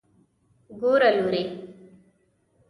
ګوره لورې.